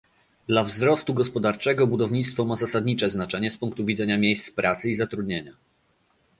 Dla wzrostu gospodarczego budownictwo ma zasadnicze znaczenie z punktu widzenia miejsc pracy i zatrudnienia